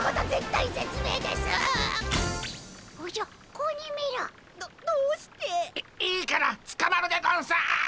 いいいからつかまるでゴンスっ。